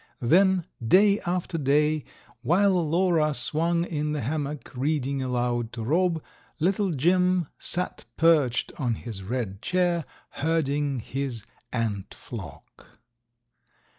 Then, day after day, while Lora swung in the hammock reading aloud to Rob, little Jim sat perched on his red chair herding his ant flock.